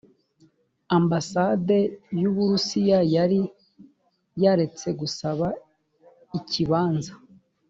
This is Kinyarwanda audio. ambasade y’u burusiya yari yaretse gusaba ikibanza